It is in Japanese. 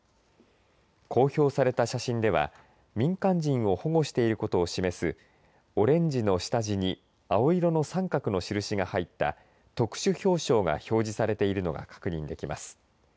公表された写真では民間人を保護していることを示すオレンジの下地に青色の三角の印が入った特殊標章が表示されているのが確認できます。